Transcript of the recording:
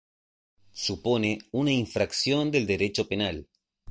Supone una infracción del derecho penal.